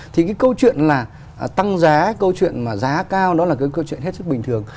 thì cái câu chuyện là tăng giá câu chuyện mà giá cao đó là cái câu chuyện hết sức bình thường